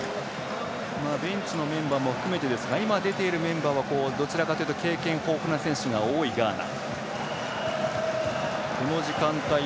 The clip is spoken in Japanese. ベンチのメンバーも含めて今出ているメンバーはどちらかというと経験豊富な選手が多いガーナ。